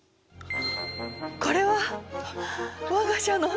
これは我が社の。